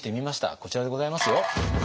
こちらでございますよ。